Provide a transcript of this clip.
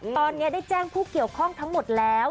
ตอนนี้ได้แจ้งผู้เกี่ยวข้องทั้งหมดแล้ว